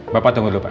bapak tunggu dulu pak